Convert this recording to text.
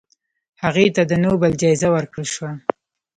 هغې ته د نوبل جایزه ورکړل شوه.